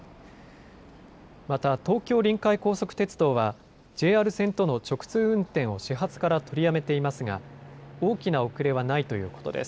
また東京臨海高速鉄道はＪＲ線との直通運転を始発から取りやめていますが大きな遅れはないということです。